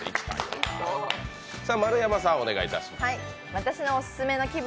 私の「オススメの気分